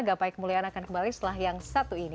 gapai kemuliaan akan kembali setelah yang satu ini